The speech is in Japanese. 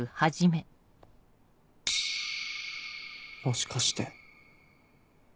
もしかして。